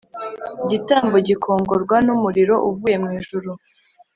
igitambo gikongorwa n umuriro uvuye mwijuru